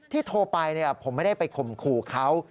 ที่โทรไปผมไม่ได้ไปข่มครูเขา